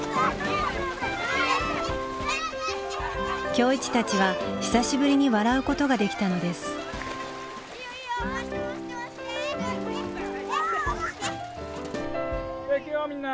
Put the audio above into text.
今日一たちは久しぶりに笑うことができたのです・じゃあいくよみんな。